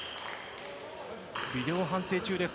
ビデオ判定中です。